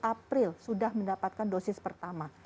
april sudah mendapatkan dosis pertama